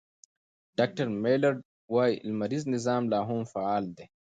ډاکټر میلرډ وايي، لمریز نظام لا هم فعال دی.